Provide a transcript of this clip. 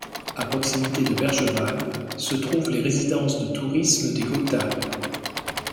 À proximité de Bergeval, se trouvent les résidences de tourisme des Gottales.